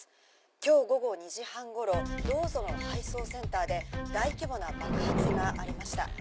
今日午後２時半頃「ＤＯＵＺＯ」の配送センターで大規模な爆発がありました。